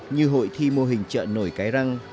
như hội thi mô hình chợ nổi cái răng